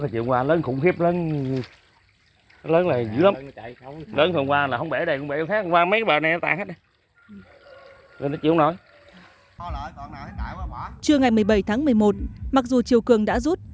trưa ngày một mươi bảy tháng một mươi một mặc dù chiều cường đã rút